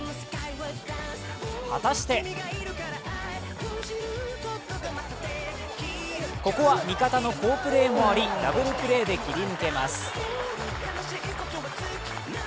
果たしてここは味方の好プレーもありダブルプレーで切り抜けます。